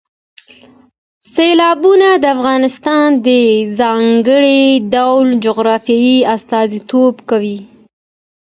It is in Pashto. سیلابونه د افغانستان د ځانګړي ډول جغرافیې استازیتوب کوي.